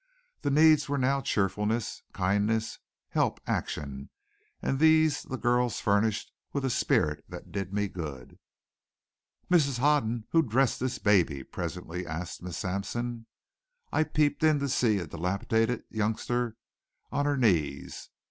The needs now were cheerfulness, kindness, help, action, and these the girls furnished with a spirit that did me good. "Mrs. Hoden, who dressed this baby?" presently asked Miss Sampson. I peeped in to see a dilapidated youngster on her knees.